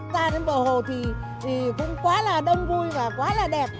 ra đến bờ hồ thì cũng quá là đông vui và quá là đẹp